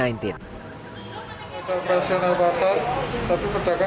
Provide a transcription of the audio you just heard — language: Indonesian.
ini semua pedagang kita